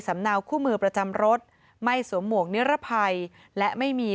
เนาคู่มือประจำรถไม่สวมหมวกนิรภัยและไม่มี